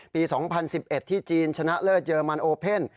๒๐๑๑ที่จีนชนะเลิศเยอรมันโอเพ่น